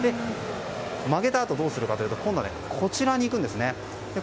曲げたあと、どうするかというと今度はこちらに行くんです。